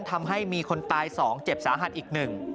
ทำให้มีคนตาย๒เจ็บสาหัสอีกหนึ่ง